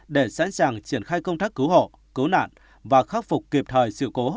để sẵn sàng triển khai công tác cứu hộ cứu nạn và khắc phục kịp thời sự cố